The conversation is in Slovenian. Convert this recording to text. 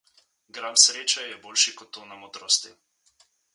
Gram sreče je boljši kot tona modrosti.